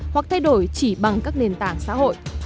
hoặc thay đổi chỉ bằng các nền tảng xã hội